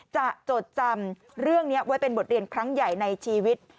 จดจำเรื่องนี้ไว้เป็นบทเรียนครั้งใหญ่ในชีวิต